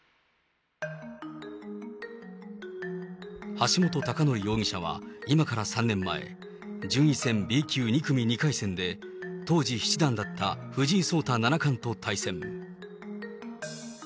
橋本崇載容疑者は今から３年前、順位戦Ｂ級２組２戦で当時七段だった藤井聡太七冠と対戦。